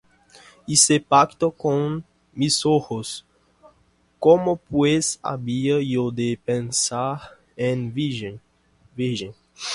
Hice pacto con mis ojos: ¿Cómo pues había yo de pensar en virgen?